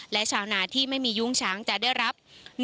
และชาวนาที่ไม่มียุ้งช้างจะได้รับ